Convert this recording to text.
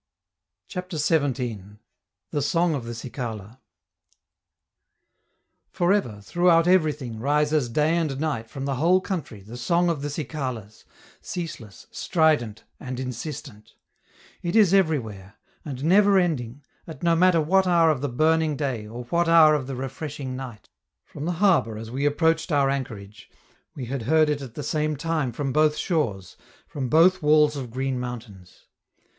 CHAPTER XVII. THE SONG OF THE CICALA Forever, throughout everything, rises day and night from the whole country the song of the cicalas, ceaseless, strident, and insistent. It is everywhere, and never ending, at no matter what hour of the burning day, or what hour of the refreshing night. From the harbor, as we approached our anchorage, we had heard it at the same time from both shores, from both walls of green mountains.